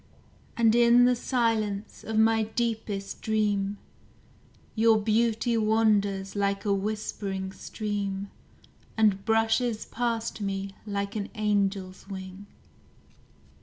And in the silence of my deepest dream, Your beauty wanders like a whispering stream, And brushes past me like an angel's wing.